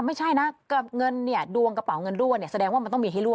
ไม่ใช่นะเงินดวงกระเป๋าเงินรั่วแสดงว่ามันต้องมีให้รั่ว